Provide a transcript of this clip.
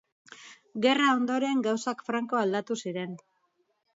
Gerra ondoren gauzak franko aldatu ziren.